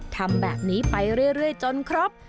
ทำแบบนี้ไปเรื่อยจนครบ